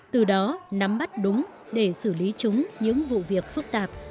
từ đó nắm bắt đúng để xử lý chúng những vụ việc phức tạp